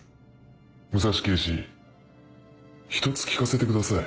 武蔵刑事１つ聞かせてください。